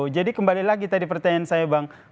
jadi kembali lagi tadi pertanyaan saya bang